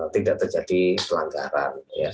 tidak terjadi pelanggaran